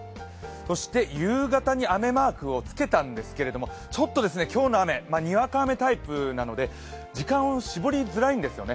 そして夕方に雨マークをつけたんですけれどもちょっと今日の雨、にわか雨タイプなので時間を絞りづらいんですよね。